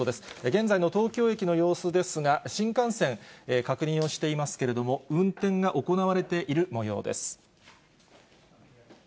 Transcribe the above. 現在の東京駅の様子ですが、新幹線、確認をしていますけれども、運転が行われている模様です。